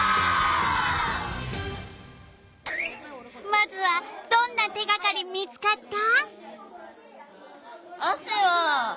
まずはどんな手がかり見つかった？